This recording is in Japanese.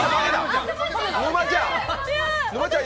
沼ちゃん！